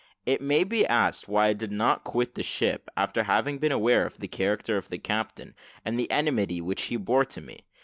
It may be asked why I did not quit the ship, after having been aware of the character of the captain, and the enmity which he bore to me.